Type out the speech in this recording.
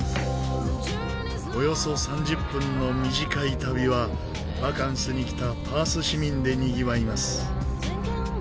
およそ３０分の短い旅はバカンスに来たパース市民でにぎわいます。